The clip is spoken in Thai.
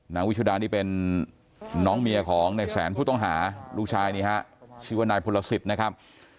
วิชุดานี่เป็นน้องเมียของในแสนผู้ต้องหาลูกชายนี่ฮะชื่อว่านายพลสิทธิ์นะครับ